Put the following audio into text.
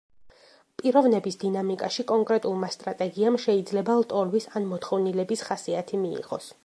პიროვნების დინამიკაში კონკრეტულმა სტრატეგიამ შეიძლება ლტოლვის ან მოთხოვნილების ხასიათი მიიღოს.